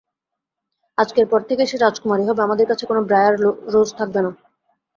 আজকের পর থেকে সে রাজকুমারী হবে, আমাদের কাছে কোন ব্রায়ার রোজ থাকবেনা।